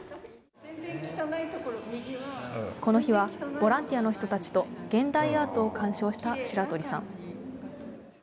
この日は、ボランティアの人たちと現代アートを鑑賞した白鳥さん。